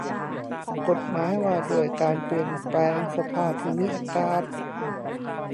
กฎหมายว่าด้วยการเปลี่ยนแปลงสภาพภูมิอากาศ